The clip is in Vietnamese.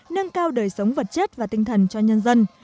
nâng cao đời sống vật chất và tinh thần cho nhân dân